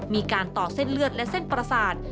มีการต่อเส้นเลือดและเส้นประสาท